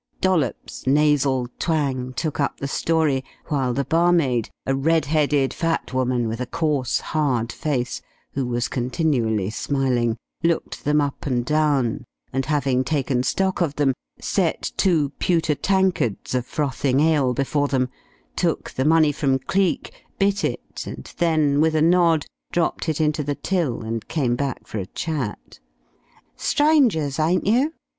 Dollops's nasal twang took up the story, while the barmaid a red headed, fat woman with a coarse, hard face, who was continually smiling looked them up and down, and having taken stock of them set two pewter tankards of frothing ale before them, took the money from Cleek, bit it, and then with a nod dropped it into the till and came back for a chat. "Strangers, ain't you?"